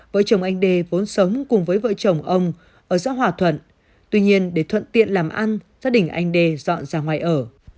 vợ chồng anh đê vốn sống cùng với vợ chồng ông ở xã hòa thuận tuy nhiên để thuận tiện làm ăn gia đình anh đê dọn ra ngoài ở